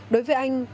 đối với anh